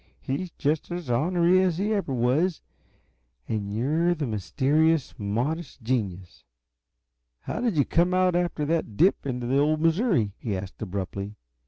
He's just as ornery as he ever was. And you're the mysterious, modest genius! How did you come out after that dip into the old Missouri?" he asked, abruptly.